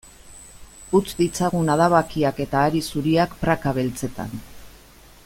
Utz ditzagun adabakiak eta hari zuriak praka beltzetan.